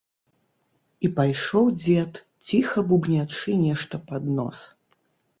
І пайшоў дзед, ціха бубнячы нешта пад нос.